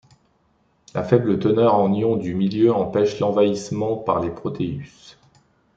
La faible teneur en ions du milieu empêche l'envahissement par les Proteus.